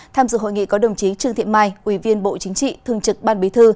tham dự hội nghị có đồng chí trương thiện mai ubnd thương trực ban bí thư